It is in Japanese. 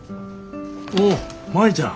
おお舞ちゃん。